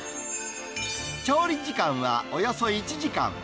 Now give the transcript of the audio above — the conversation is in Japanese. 調理時間はおよそ１時間。